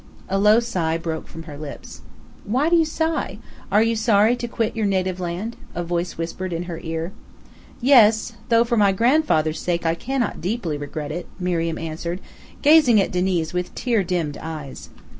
A low sigh broke from her lips. "Why do you sigh? Are you sorry to quit your native land?" a voice whispered in her ear. "Yes; though for my grandfather's sake I cannot deeply regret it," Miriam answered, gazing at Diniz with tear dimmed eyes.